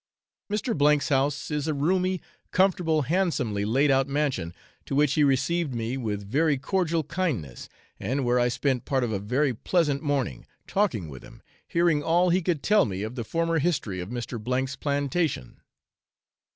Mr. C 's house is a roomy, comfortable, handsomely laid out mansion, to which he received me with very cordial kindness, and where I spent part of a very pleasant morning, talking with him, hearing all he could tell me of the former history of Mr. 's plantation.